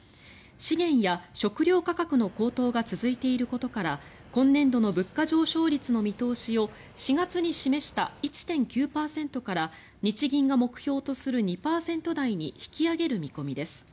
資源や食料価格の高騰が続いていることから今年度の物価上昇率の見通しを４月に示した１．９％から日銀が目標とする２％台に引き上げる見込みです。